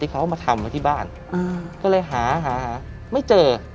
เขามาทำไว้ที่บ้านก็เลยหาหาไม่เจอ